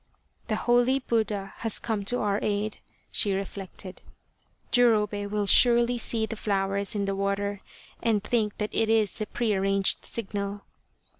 " The holy Buddha has come to our aid," she re flected. " Jurobei will surely see the flowers in the water, and think that it is the pre arranged signal."